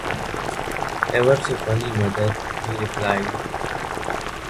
“Ever so funny, mother,” he replied.